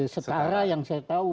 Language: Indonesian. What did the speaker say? setara yang saya tahu